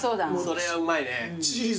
それはうまいね。